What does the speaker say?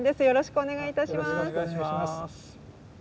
よろしくお願いします。